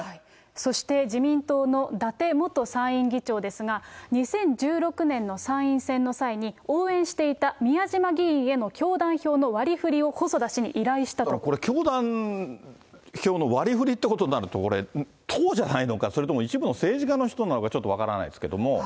そして自民党の伊達元参院議長ですが、２０１６年の参院選の際に、応援していた宮島議員への教団票の割りふりを、細田氏に依頼したこれ、教団票の割りふりってことになると、これ、党じゃないのか、それとも一部の政治家の人たちなのか、ちょっと分からないですけども。